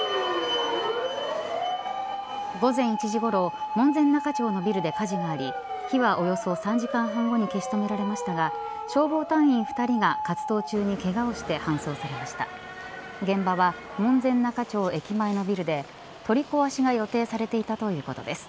午前１時ごろ門前仲町のビルで火事があり火はおよそ３時間半後に消し止められましたが消防団員２人が活動中にけがをして搬送されました現場は門前仲町駅前のビルで取り壊しが予定されていたということです。